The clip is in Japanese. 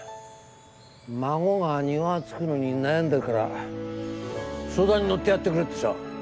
孫が庭作るのに悩んでるから相談に乗ってやってくれってさ。